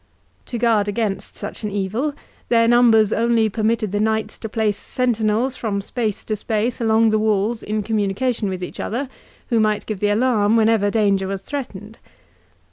To guard against such an evil, their numbers only permitted the knights to place sentinels from space to space along the walls in communication with each other, who might give the alarm whenever danger was threatened.